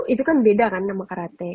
itu kan beda kan sama karate